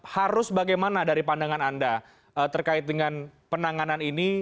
harus bagaimana dari pandangan anda terkait dengan penanganan ini